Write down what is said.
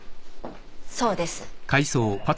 そうです。